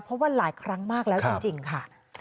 เพราะว่าหลายครั้งมากแล้วจริงค่ะ